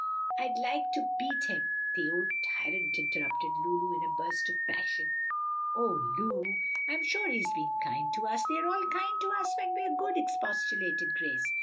I'd like to beat him! the old tyrant!" interrupted Lulu, in a burst of passion. "O Lu! I'm sure he's been kind to us; they're all kind to us when we're good," expostulated Grace.